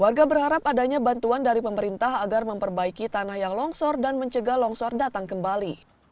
warga berharap adanya bantuan dari pemerintah agar memperbaiki tanah yang longsor dan mencegah longsor datang kembali